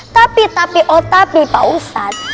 tapi tapi oh tapi pak usat